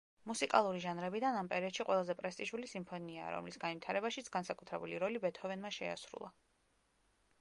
მუსიკალური ჟანრებიდან ამ პერიოდში ყველაზე პრესტიჟული სიმფონიაა, რომლის განვითარებაშიც განსაკუთრებული როლი ბეთჰოვენმა შეასრულა.